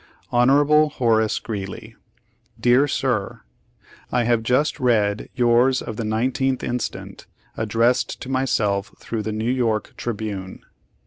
"Hon. Horace Greeley: "Dear Sir: I have just read yours of the 19th instant, addressed to myself through The New York Tribune.